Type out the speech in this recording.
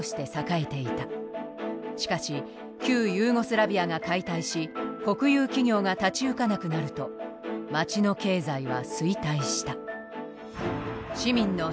しかし旧ユーゴスラビアが解体し国有企業が立ち行かなくなると街の経済は衰退した。